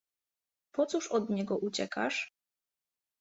Po cóż od niego uciekasz?